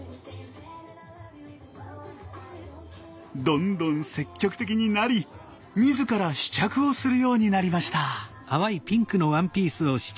どんどん積極的になり自ら試着をするようになりました。